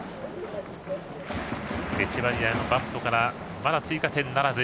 エチェバリアのバットから追加点ならず。